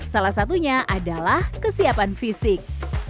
salah satunya adalah kesiapan fisik